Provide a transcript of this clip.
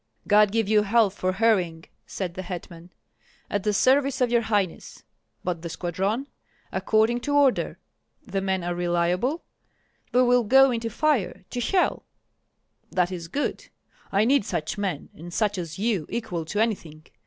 "God give you health for hurrying!" said the hetman. "At the service of your highness." "But the squadron?" "According to order." "The men are reliable?" "They will go into fire, to hell." "That is good! I need such men, and such as you, equal to anything.